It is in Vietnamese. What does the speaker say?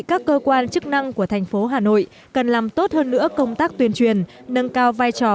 các cơ quan chức năng của thành phố hà nội cần làm tốt hơn nữa công tác tuyên truyền nâng cao vai trò